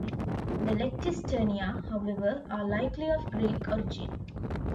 The lectisternia, however, are likely of Greek origin.